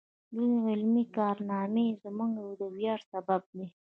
د دوی علمي کارنامې زموږ د ویاړ سبب دی.